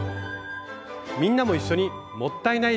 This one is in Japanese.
みんなも一緒に「もったいない」